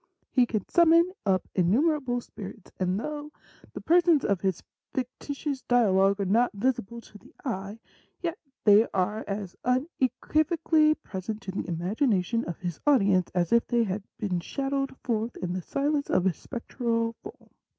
He can sum mon up innumerable spirits, and though the persons of his fictitious dialogue are not visible to the eye, yet they are as une quivocally present to the imagination of his audience as if they had been shadowed forth in the silence of a spectral form.'